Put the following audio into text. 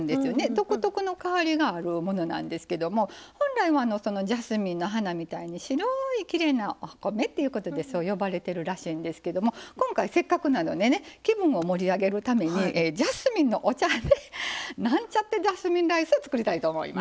独特の香りがあるものなんですけども本来はジャスミンの花みたいに白いきれいなお米ってことでそう呼ばれてるらしいんですけど今回せっかくなのでね気分を盛り上げるためにジャスミンのお茶でなんちゃってジャスミンライスを作りたいと思います。